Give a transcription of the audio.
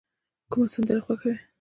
کومه سندره خوښوئ؟